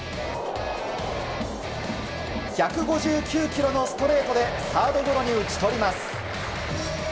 １５９キロのストレートでサードゴロに打ち取ります。